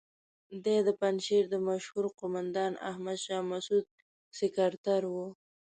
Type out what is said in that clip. دی د پنجشیر د مشهور قوماندان احمد شاه مسعود سکرتر وو.